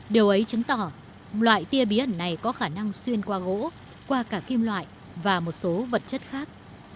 điều ấy chứng tỏ loại tia bí ẩn này có khả năng xuyên qua gỗ qua cả kim loại và một số vật chất khác